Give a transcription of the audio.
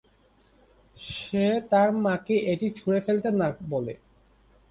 সে তার মাকে এটি ছুড়ে ফেলতে না বলে।